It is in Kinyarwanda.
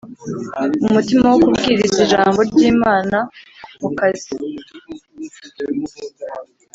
umutima no kubwiriza Ijambo ry Imana mu kazi